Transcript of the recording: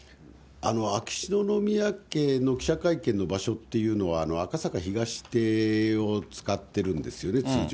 秋篠宮家の記者会見の場所っていうのは、赤坂東邸を使ってるんですよね、通常。